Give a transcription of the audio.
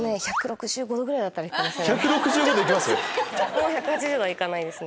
もう１８０度はいかないですね。